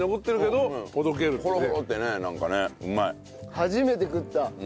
初めて食った。